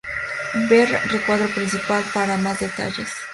Ver recuadro principal para más detalles.